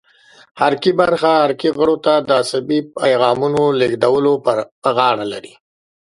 حرکي برخه حرکي غړو ته د عصبي پیغامونو لېږدولو په غاړه لري.